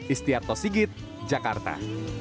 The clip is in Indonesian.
istiarto sigit jakarta